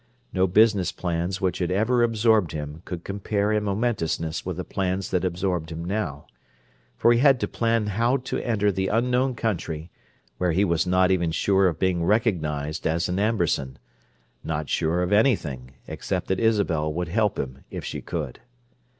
No business plans which had ever absorbed him could compare in momentousness with the plans that absorbed him now, for he had to plan how to enter the unknown country where he was not even sure of being recognized as an Amberson—not sure of anything, except that Isabel would help him if she could.